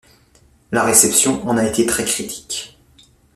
La réception en a été très critique.